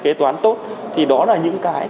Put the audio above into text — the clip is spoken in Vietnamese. kế toán tốt thì đó là những cái